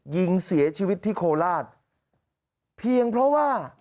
ยิงเสียชีวิตที่โคราชเพียงเพราะว่า